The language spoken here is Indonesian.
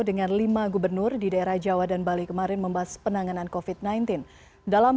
dengan lima gubernur di daerah jawa dan bali kemarin membahas penanganan kofit sembilan belas dalam